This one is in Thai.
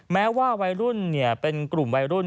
แม้ว่าวัยรุ่นเป็นกลุ่มวัยรุ่น